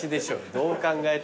どう考えても。